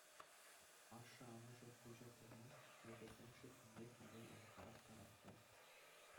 Ашшӗ-амӑшӗ куҫӗ тӗлне лекесрен шикленсе килтен аяккарах тарать вӑл.